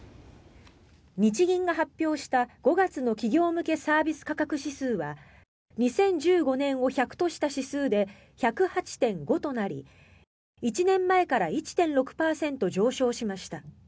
日銀が発表した、５月の企業向けサービス価格指数は２０１５年を１００とした指数で１０８．５となり１年前から１．６％上昇しました。